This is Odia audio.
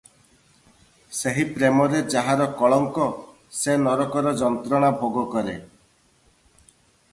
ସେହି ପ୍ରେମରେ ଯାହାର କଳଙ୍କ, ସେ ନରକର ଯନ୍ତ୍ରଣା ଭୋଗ କରେ ।"